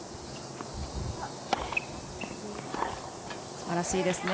すばらしいですね。